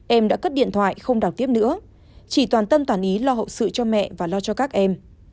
em đã cất điện thoại không đào tiếp nữa chỉ toàn tâm toàn ý lo hậu sự cho mẹ và lo cho các em